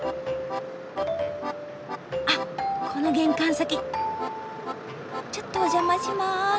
あっこの玄関先ちょっとお邪魔します。